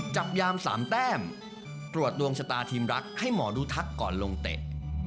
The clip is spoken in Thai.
จับยาม๓แต้มตรวจดวงชะตาทีมรักให้หมอดูทักก่อนลงเตะ